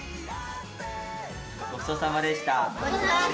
ごちそうさまでした。